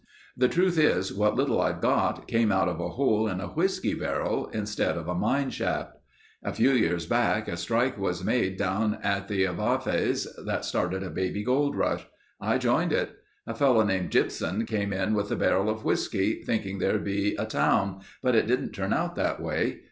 The truth is, what little I've got came out of a hole in a whiskey barrel instead of a mine shaft. "A few years back a strike was made down in the Avawatz that started a baby gold rush. I joined it. A fellow named Gypsum came in with a barrel of whiskey, thinking there'd be a town, but it didn't turn out that way.